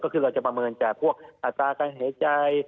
ก็คือเราจะประเมินจากพวกอัตราการหายใจ